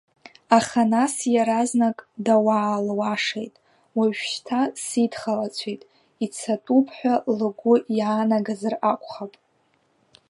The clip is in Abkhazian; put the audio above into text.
Аха нас, иаразнак даауалуашеит, уажәшьҭа сидхалацәеит, ицатәуп ҳәа лгәы иаанагазар акәхап.